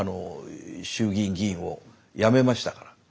衆議院議員を辞めましたから。